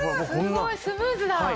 すごいスムーズだ。